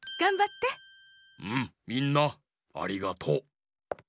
みんなありがとう。